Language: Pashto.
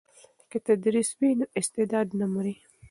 که تدریس وي نو استعداد نه مري.